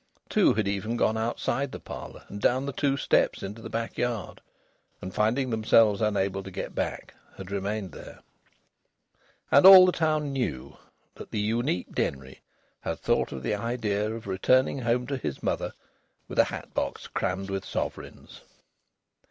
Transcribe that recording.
Two had even gone outside the parlour, and down the two steps into the backyard, and finding themselves unable to get back, had remained there. And all the town knew that the unique Denry had thought of the idea of returning home to his mother with a hat box crammed with sovereigns.